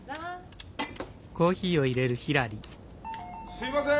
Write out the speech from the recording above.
・・すいません！